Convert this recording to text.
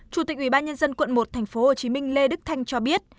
chủ tịch ubnd quận một tp hcm lê đức thanh cho biết